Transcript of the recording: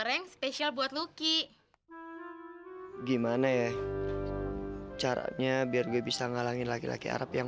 ada yang spesial buat luki gimana ya caranya biar gue bisa ngalangin laki laki arab yang